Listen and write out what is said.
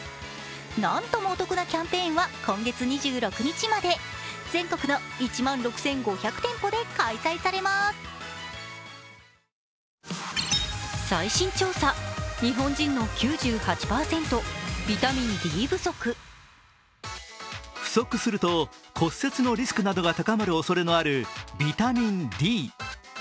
なんともお得なキャンペーンは今月２６日まで全国の１万６５００店舗で開催されます不足すると骨折のリスクなどが高まるおそれがあるビタミンＤ。